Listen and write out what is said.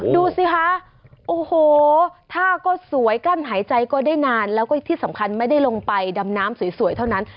ดูสิคะโอ้โหท่าก็สวยกั้นหายใจก็ได้นานแล้วก็ที่สำคัญไม่ได้ลงไปดำน้ำสวยเท่านั้น